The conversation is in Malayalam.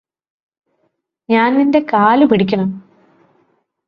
ഞാന് നിന്റെ കാലുപിടിക്കണോ